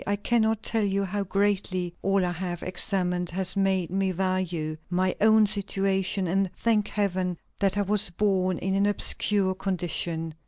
I cannot tell you how greatly all I have examined has made me value my own situation, and thank Heaven that I was born in an obscure condition.